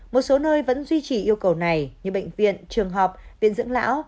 một số nơi vẫn duy trì yêu cầu này như bệnh viện trường học viện dưỡng lão